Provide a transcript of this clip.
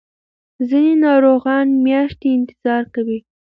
ځینې ناروغان میاشتې انتظار کوي.